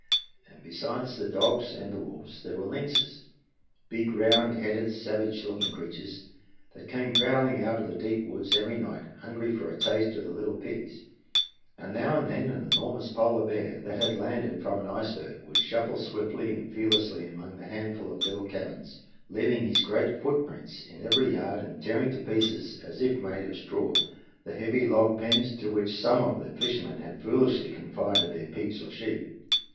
And besides the dogs and the wolves there were lynxes big, round headed, savage looking creatures that came prowling out of the deep woods every night, hungry for a taste of the little pigs; and now and then an enormous polar bear, that had landed from an iceberg, would shuffle swiftly and fearlessly among the handful of little cabins, leaving his great footprints in every yard and tearing to pieces, as if made of straw, the heavy log pens to which some of the fishermen had foolishly confided their pigs or sheep.